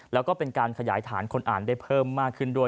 แล้วก็เป็นการขยายฐานคนอ่านได้เพิ่มมากขึ้นด้วย